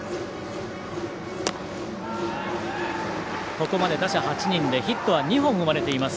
ここまで打者８人でヒットは２本生まれています